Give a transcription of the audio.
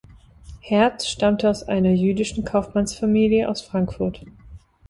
Hertz stammte aus einer jüdischen Kaufmannsfamilie aus Frankfurt.